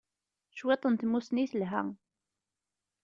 Cwiṭ n tmussni telha.